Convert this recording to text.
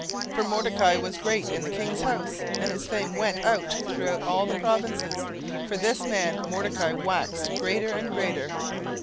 17:009:004 For Mordecai was great in the king's house, and his fame went out throughout all the provinces: for this man Mordecai waxed greater and greater.